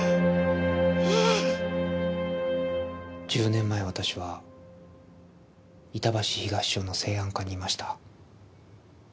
１０年前私は板橋東署の生安課にいました。